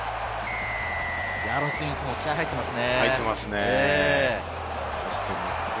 アーロン・スミスも気合いが入っていますね。